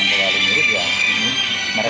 di sekolah baru dikoneksi di sekolah baru